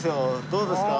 どうですか？